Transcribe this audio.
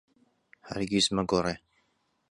هەرگیز مەگۆڕێ.